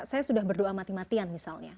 saya sudah berdoa mati matian misalnya